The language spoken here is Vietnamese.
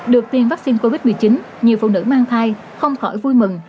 được tiêm vaccine covid một mươi chín nhiều phụ nữ mang thai không khỏi vui mừng